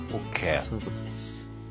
そういうことです。